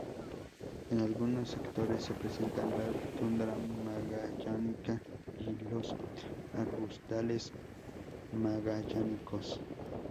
En algunos sectores se presentan la tundra magallánica y los arbustales magallánicos.